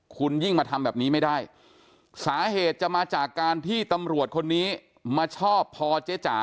คุณยิ่งมาทำแบบนี้ไม่ได้สาเหตุจะมาจากการที่ตำรวจคนนี้มาชอบพอเจ๊จ๋า